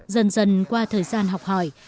dần dần qua thời gian học hỏi